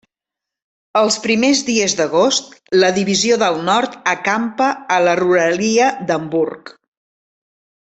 Els primers dies d'agost la Divisió del Nord acampa a la ruralia d'Hamburg.